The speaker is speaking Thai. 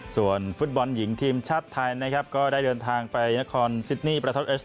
ส่วนฟุตบอลหญิงทีมชาติไทยนะครับก็ได้เดินทางไปยนต์คอลซิดนี